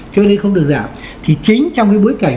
cho nên không được giảm thì chính trong cái bối cảnh